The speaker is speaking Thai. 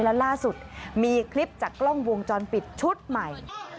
และล่าสุดมีคลิปจากกล้องวงจรปิดชุดใหม่